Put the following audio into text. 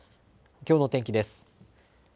きょうの天気です。